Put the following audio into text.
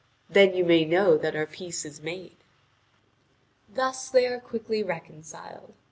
"Then you may know that our peace is made." (Vv. 2037 2048.) Thus they are quickly reconciled.